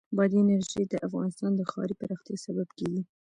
بادي انرژي د افغانستان د ښاري پراختیا سبب کېږي.